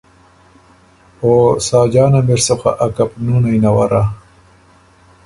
او ساجان م اِر سُو خه ا کپنُونئ نَوَرّا